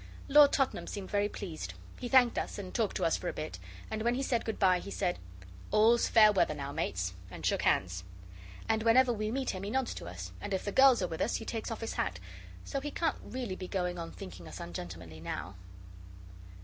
Lord Tottenham seemed very pleased. He thanked us, and talked to us for a bit, and when he said good bye he said 'All's fair weather now, mates,' and shook hands. And whenever we meet him he nods to us, and if the girls are with us he takes off his hat, so he can't really be going on thinking us ungentlemanly now.